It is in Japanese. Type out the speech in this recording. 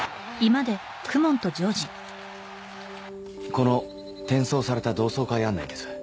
この転送された同窓会案内です